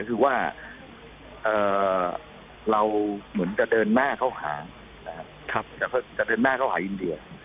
คือว่าเราเหมือนจะเดินหน้าเข้าหานะครับจะเดินหน้าเข้าหาอินเดีย